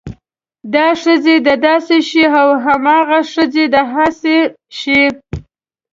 دا ښځې د داسې شی او هاغه ښځې د هاسې شی